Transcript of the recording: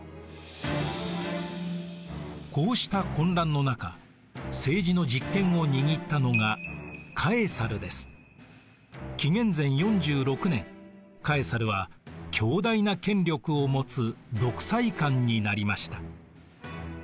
こうした混乱の中政治の実権を握ったのが紀元前４６年カエサルは強大な権力を持つ独裁官になりました。